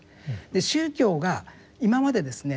宗教が今までですね